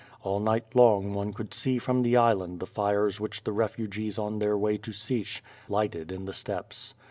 All night long one could see from the island the fires which the refugees on their way to Sich, lierhtcd in the steppes.